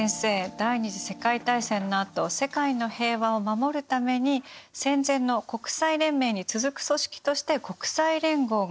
第二次世界大戦のあと世界の平和を守るために戦前の国際連盟に続く組織として国際連合が設立されましたよね。